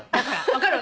分かる？